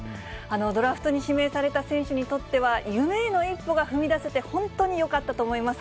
ドラフトに指名された選手にとっては夢への一歩が踏み出せて本当によかったと思います。